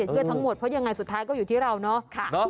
เชื่อทั้งหมดเพราะยังไงสุดท้ายก็อยู่ที่เราเนาะ